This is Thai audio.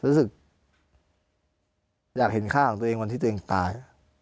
รู้สึกอยากเห็นค่าของตัวเองวันที่ตัวเองตาย